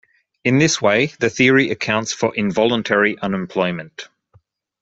In this way, the theory accounts for involuntary unemployment.